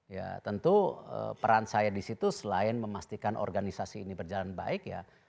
ya tentu peran saya di situ selain memastikan organisasi ini berjalan baik ya